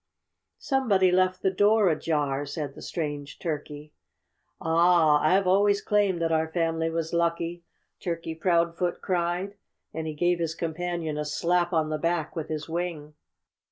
"Somebody left the door ajar," said the strange turkey. "Ah! I've always claimed that our family was lucky!" Turkey Proudfoot cried. And he gave his companion a slap on the back with his wing.